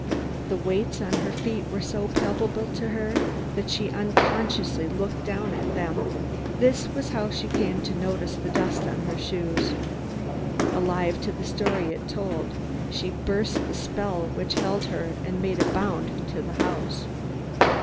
The weights on her feet were so palpable to her that she unconsciously looked down at them. This was how she came to notice the dust on her shoes. Alive to the story it told, she burst the spell which held her and made a bound toward the house.